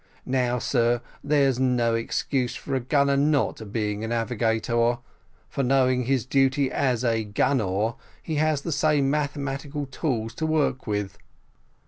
Now, sir, there's no excuse for a gunner not being a navigator; for knowing his duty as a gunner, he has the same mathematical tools to work with."